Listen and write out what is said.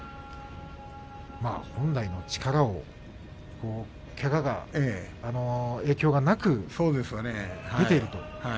本来の力をけがの影響がなく出ていると。